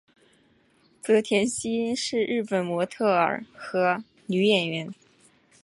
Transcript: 泽田汐音是日本模特儿和女演员。